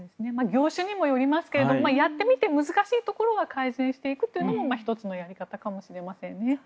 業種にもよりますがやってみて難しいところは改善していくというのも１つのやり方かもしれませんね。